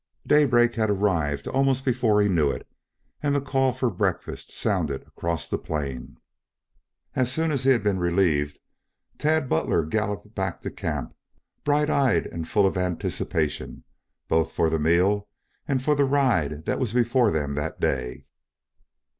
Daybreak had arrived almost before he knew it and the call for breakfast sounded across the plain. As soon as he had been relieved, Tad Butler galloped back to camp, bright eyed and full of anticipation, both for the meal and for the ride that was before them that day.